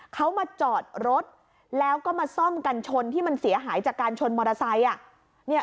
เขามาจอดรถแล้วก็มาซ่อมกันชนที่มันเสียหายจากการชนมอเตอร์ไซค์